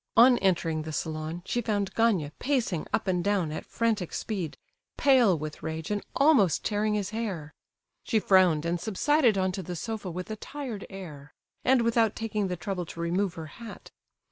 On entering the salon she found Gania pacing up and down at frantic speed, pale with rage and almost tearing his hair. She frowned, and subsided on to the sofa with a tired air, and without taking the trouble to remove her hat.